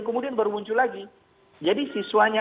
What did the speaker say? kemudian baru muncul lagi jadi siswanya